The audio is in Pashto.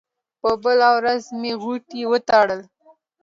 په بله ورځ مې غوټې وتړلې.